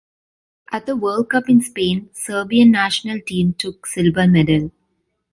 At the World Cup in Spain, Serbian national team took silver medal.